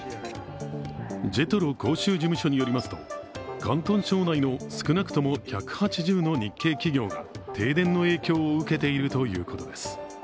ＪＥＴＲＯ広州事務所によりますと、広東省内の少なくとも１８０の日系企業が停電の影響を受けていると言うことです。